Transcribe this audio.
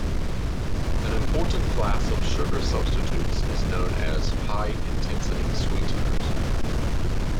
An important class of sugar substitutes is known as high-intensity sweeteners.